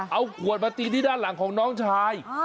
เอาขวดมาตีที่ด้านหลังของน้องชาย